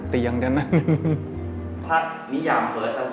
เตียงด้านนั้น